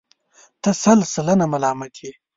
ته سل سلنه ملامت یې.